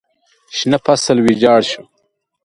شنه فصل ویجاړ شو.